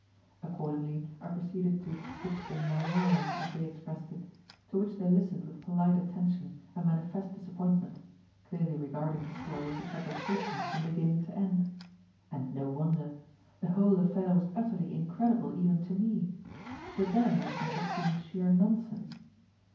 Accordingly I proceeded to "pitch them my yarn," as they expressed it; to which they listened with polite attention and manifest disappointment, clearly regarding the story as a fabrication from beginning to end. And no wonder. The whole affair was utterly incredible even to me; to them it must have seemed sheer nonsense.